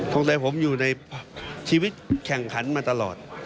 ใจผมอยู่ในชีวิตแข่งขันมาตลอด